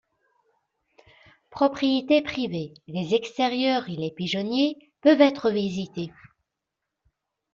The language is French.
Propriété privée, les extérieurs et le pigeonnier peuvent être visités.